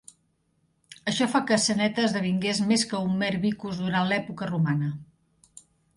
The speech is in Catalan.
Això fa que Ceneta esdevingués més que un mer "vicus" durant l'època romana.